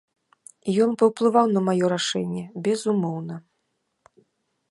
Ён паўплываў на маё рашэнне, безумоўна.